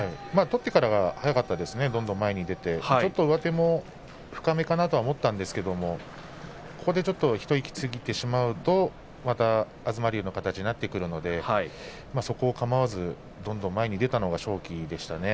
取ってから速かったですね、どんどん前に出て上手もちょっとつかれたなと思ったんですけどここでちょっと一息ついてしまうとまた東龍の形になってくるのでそこをかまわずどんどん前に出たのが勝機でしたね。